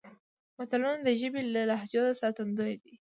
متلونه د ژبې د لهجو ساتندوی دي